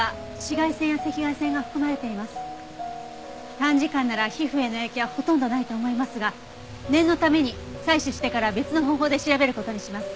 短時間なら皮膚への影響はほとんどないと思いますが念のために採取してから別の方法で調べる事にします。